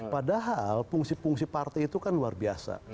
padahal fungsi fungsi partai itu kan luar biasa